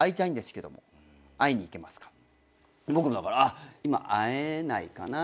僕もだから今会えないかな。